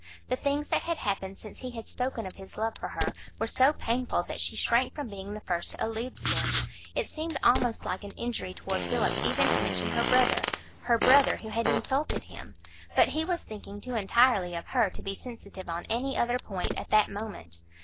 The things that had happened since he had spoken of his love for her were so painful that she shrank from being the first to allude to them. It seemed almost like an injury toward Philip even to mention her brother,—her brother, who had insulted him. But he was thinking too entirely of her to be sensitive on any other point at that moment.